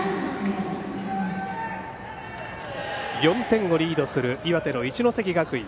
４点をリードする岩手の一関学院。